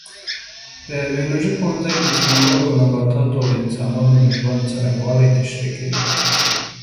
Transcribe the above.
د بیولوژي پوهنځی د ځناورو، نباتاتو او انسانانو د ژوند څرنګوالی تشریح کوي.